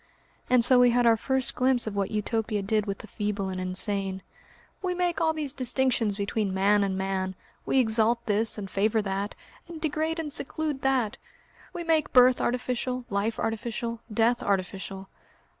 And so we had our first glimpse of what Utopia did with the feeble and insane. "We make all these distinctions between man and man, we exalt this and favour that, and degrade and seclude that; we make birth artificial, life artificial, death artificial."